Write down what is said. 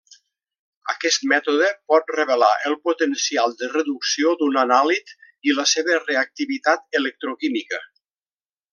Aquest mètode pot revelar el potencial de reducció d'un anàlit i la seva reactivitat electroquímica.